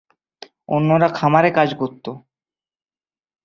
অন্যরা খামারে কাজ করত।